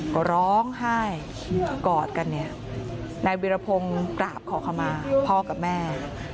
ก็ร้องไห้กอดกันเนี่ยนายวิรพงศ์กราบขอขมาพ่อกับแม่